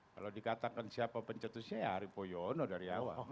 kalau dikatakan siapa pencetusnya ya arief poyono dari awal